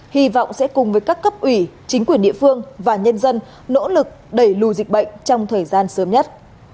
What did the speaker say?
hy vọng sẽ cùng với các cấp ủy chính quyền địa phương và nhân dân nỗ lực đẩy lùi dịch bệnh trong thời gian sớm nhất